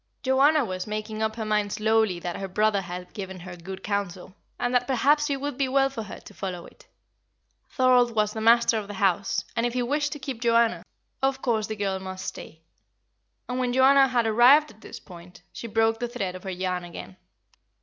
Joanna was making up her mind slowly that her brother had given her good counsel, and that perhaps it would be well for her to follow it. Thorold was the master of the house, and if he wished to keep Joanna, of course the girl must stay. And when Joanna had arrived at this point, she broke the thread of her yarn again.